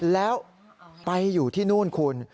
แล้วไปอยู่ที่นู่นคุณ